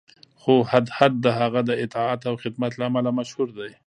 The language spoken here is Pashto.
خو هدهد د هغه د اطاعت او خدمت له امله مشهور دی.